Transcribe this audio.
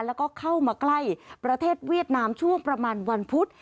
แล้วก็เข้ามาใกล้ประเทศเวียดนามช่วงประมาณวันพุธ